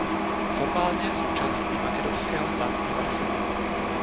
Formálně je součástí makedonského státního archivu.